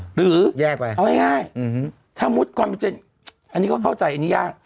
หรือแยกไปเอาง่ายถ้ามุติความเจนอันนี้ก็เข้าใจอันนี้ยาก